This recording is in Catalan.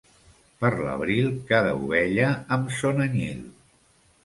Per l'abril cada ovella amb son anyil.